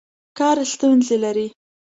کار ستونزې لري.